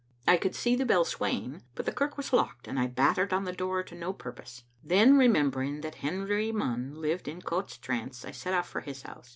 I could see the bell swaying, but the kirk was locked, and I battered on. the door to no purpose. Then, remembering that Henry Munn lived in Coutt's trance, I set off for his house.